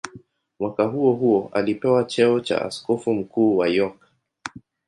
Mwaka huohuo alipewa cheo cha askofu mkuu wa York.